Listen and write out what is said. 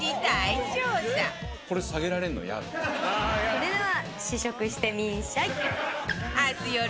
それでは。